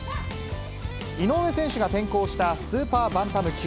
井上選手が転向したスーパーバンタム級。